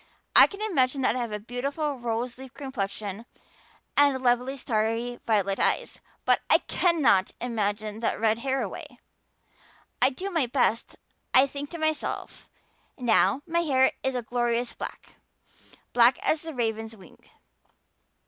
I can imagine that I have a beautiful rose leaf complexion and lovely starry violet eyes. But I cannot imagine that red hair away. I do my best. I think to myself, 'Now my hair is a glorious black, black as the raven's wing.